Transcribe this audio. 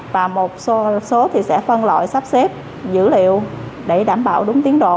và một số thì sẽ phân loại sắp xếp dữ liệu để đảm bảo đúng tiến độ